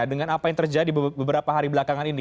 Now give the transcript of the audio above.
dengan apa yang terjadi beberapa hari belakangan ini